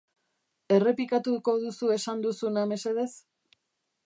Errepikatuko duzu esan duzuna, mesedez?